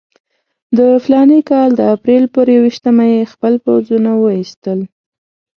د فلاني کال د اپرېل پر یوویشتمه یې خپل پوځونه وایستل.